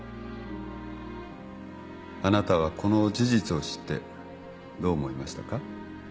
あなたはこの事実を知ってどう思いましたか。